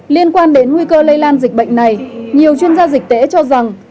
liên quan đến nguy cơ lây lan dịch bệnh này nhiều chuyên gia dịch tễ cho rằng